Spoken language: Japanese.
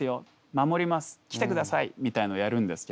守ります来てくださいみたいなのをやるんですけれども。